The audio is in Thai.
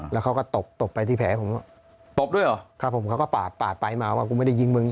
แล้วเขาก็ตบตบไปที่แผลผมก็ตบด้วยเหรอครับผมเขาก็ปาดปาดไปมาว่ากูไม่ได้ยิงมึง